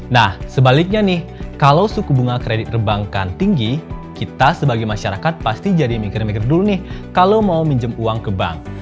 nah sebaliknya nih kalau suku bunga kredit perbankan tinggi kita sebagai masyarakat pasti jadi mikir mikir dulu nih kalau mau minjem uang ke bank